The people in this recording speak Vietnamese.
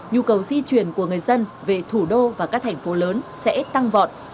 nhu cầu di chuyển của người dân về thủ đô và các thành phố lớn sẽ tăng vọt